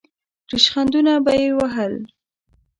ریشخندونه به یې وهل.